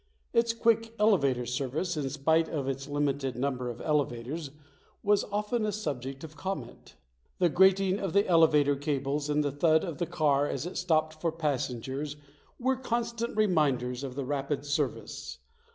Its quick elevator service in spite of its limited num ber of elevators was often a subject of comment. The grating of the elevator cables and the thud of the car as it stopped for passengers were con stant reminders of the rapid service.